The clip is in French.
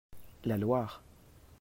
La Loire.